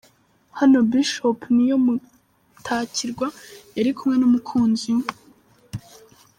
Hano Bishop Niyomutakirwa yari kumwe n'umukunzi we.